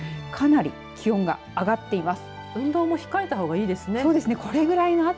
かなり気温が上がっています。